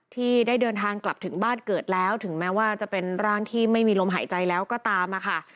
ที่ได้เดินทางกลับถึงบ้านเกิดแล้วถึงแม้ว่าจะเป็นร่างที่ไม่มีลมหายใจแล้วก็ตามมาค่ะ